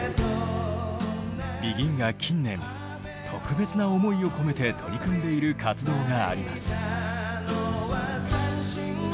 ＢＥＧＩＮが近年特別な思いを込めて取り組んでいる活動があります。